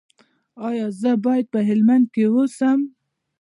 ایا زه باید په هلمند کې اوسم؟